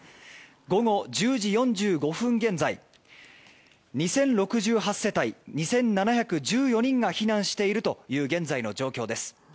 午後１０時４５分現在２０６８世帯２７１４人が避難しているという現在の状況です。